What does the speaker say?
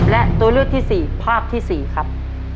และตัวเลือกที่๔ภาพที่๔ครับ